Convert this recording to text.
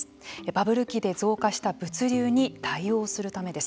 バブル期で増加した物流に対応するためです。